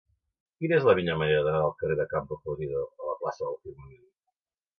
Quina és la millor manera d'anar del carrer de Campo Florido a la plaça del Firmament?